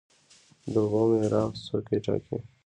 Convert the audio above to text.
د اوبو میراب څوک ټاکي؟